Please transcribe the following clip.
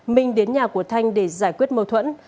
minh đến nhà của thanh để giải quyết mâu thuẫn